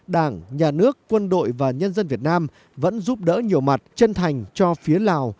đảng nhà nước quân đội và nhân dân việt nam vẫn giúp đỡ nhiều mặt chân thành cho phía lào